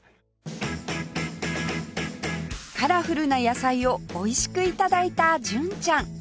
カラフルな野菜を美味しく頂いた純ちゃん